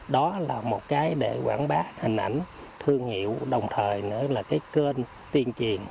đó là một cái để quảng bá hình ảnh thương hiệu đồng thời nữa là cái kênh tiên triền